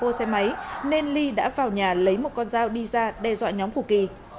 mua xe máy nên ly đã vào nhà lấy một con dao đi ra đe dọa nhóm của kỳ